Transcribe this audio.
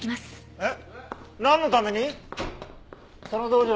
えっ？